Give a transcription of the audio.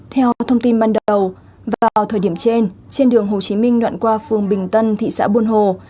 theo thông tin ban đầu vào thời điểm trên trên đường hồ chí minh đoạn qua phường bình tân thị xã buôn hồ